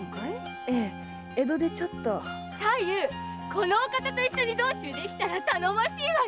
このお方と一緒に道中できたら頼もしいわね！